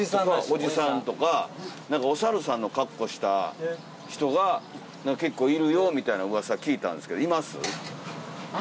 おじさんとかお猿さんの格好した人が結構いるよみたいな噂聞いたんですけどいます？